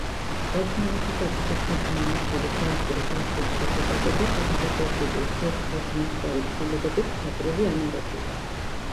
ერთმანეთისათვის უცნობი მამა-შვილის სამკვდრო-სასიცოცხლო შეტაკება საზოგადოებრივ ურთიერთობაში მომხდარი ცვლილებების მხატვრული ანარეკლია.